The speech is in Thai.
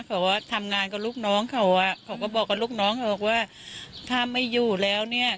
เขาก็ทำงานกับลูกน้องเขาอ่ะเขาก็บอกกับลูกน้องเขาว่าถ้าไม่อยู่แล้วเนี่ย